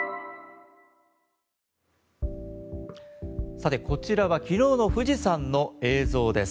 さて、こちらは昨日の富士山の映像です。